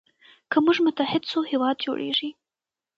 که موږ متحد سو هیواد جوړیږي.